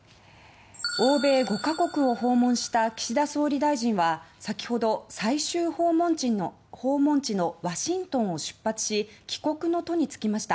欧米５か国を訪問した岸田総理大臣は先ほど最終訪問地のワシントンを出発し帰国の途に就きました。